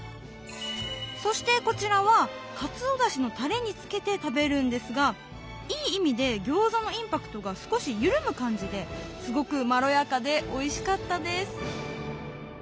そしてこちらはかつおだしのたれにつけて食べるんですがいい意味で餃子のインパクトが少し緩む感じですごくまろやかでおいしかったです